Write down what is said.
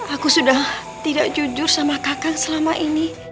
aku sudah tidak jujur sama kakang selama ini